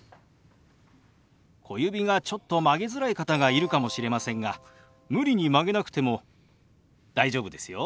小指がちょっと曲げづらい方がいるかもしれませんが無理に曲げなくても大丈夫ですよ。